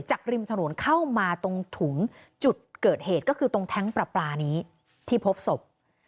ริมถนนเข้ามาตรงถุงจุดเกิดเหตุก็คือตรงแท้งปลาปลานี้ที่พบศพ